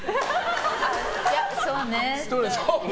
いやそうね。